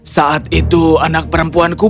saat itu anak perempuanku